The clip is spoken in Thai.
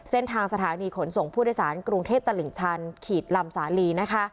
เส้นทางสถานีขนส่งผู้โดยสารกรุงเทพตลิ่งชันขีดลำสาลีนะคะ